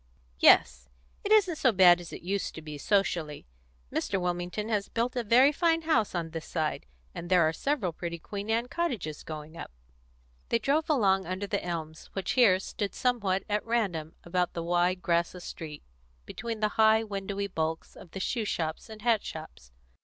"Yes. It isn't so bad as it used to be, socially. Mr. Wilmington has built a very fine house on this side, and there are several pretty Queen Anne cottages going up." They drove along under the elms which here stood somewhat at random about the wide, grassless street, between the high, windowy bulks of the shoe shops and hat shops.